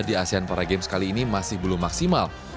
di asean paragames kali ini masih belum maksimal